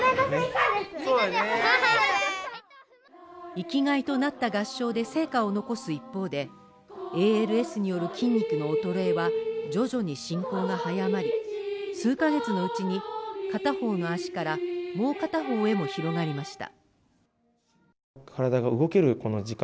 生きがいとなった合唱で成果を残す一方で、ＡＬＳによる筋肉の衰えは徐々に進行が早まり、数か月のうちに片方の足からもう片方へも広がりました。